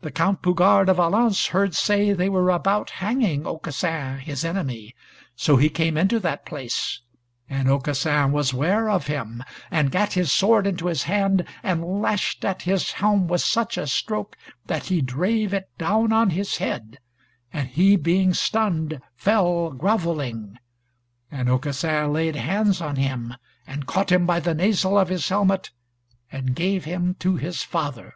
The Count Bougars de Valence heard say they were about hanging Aucassin, his enemy, so he came into that place, and Aucassin was ware of him, and gat his sword into his hand, and lashed at his helm with such a stroke that he drave it down on his head, and he being stunned, fell grovelling. And Aucassin laid hands on him, and caught him by the nasal of his helmet, and gave him to his father.